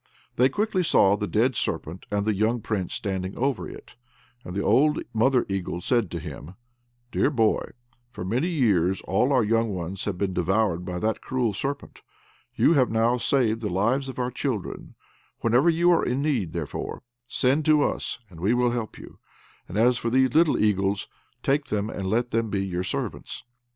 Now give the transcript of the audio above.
They quickly saw the dead serpent and the young Prince standing over it; and the old mother eagle said to him, "Dear boy, for many years all our young ones have been devoured by that cruel serpent; you have now saved the lives of our children; whenever you are in need, therefore, send to us and we will help you; and as for these little eagles, take them, and let them be your servants."